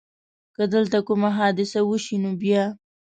که دلته کومه حادثه وشي نو بیا؟